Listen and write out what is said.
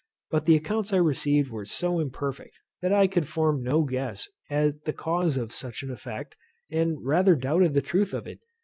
But the accounts I received were so imperfect that I could form no guess at the cause of such an effect, and rather doubted the truth of it.